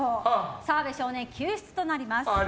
澤部少年救出となります。